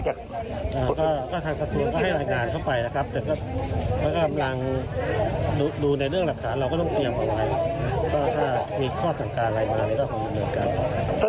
ถ้ามีข้อสังการอะไรมานี่ก็คงมีเหมือนกัน